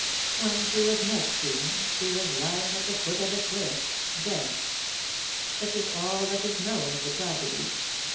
When she was next seen she was lying at the foot of a cliff , dead. That is all that is known of the tragedy.